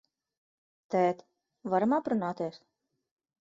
Tēt, varam aprunāties?